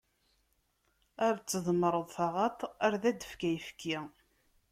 Ar tdemmreḍ taɣaṭ, ar ad d-tefk ayefki.